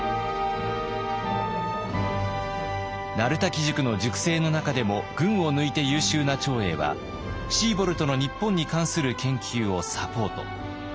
鳴滝塾の塾生の中でも群を抜いて優秀な長英はシーボルトの日本に関する研究をサポート。